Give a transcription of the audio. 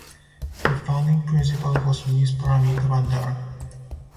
The founding principal was Miss Paramita Bandara.